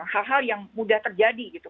hal hal yang mudah terjadi gitu